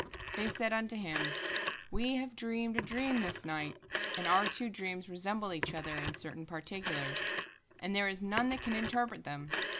They said unto him, "We have dreamed a dream this night, and our two dreams resemble each other in certain particulars, and there is none that can interpret them."